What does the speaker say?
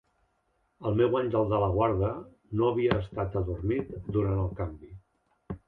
El meu àngel de la guarda no havia estat adormit durant el canvi.